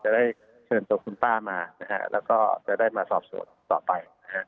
จะได้เชิญตัวคุณป้ามานะฮะแล้วก็จะได้มาสอบสวนต่อไปนะฮะ